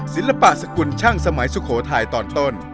ศิลปะสกุลช่างสมัยสุโขทัยตอนต้น